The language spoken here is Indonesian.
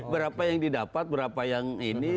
berapa yang didapat berapa yang ini